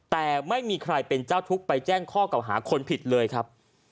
แต่ไม่มีใครเป็นเจ้าทุกข์ไปแจ้งข้อเก่าหาคนผิดเลยครับ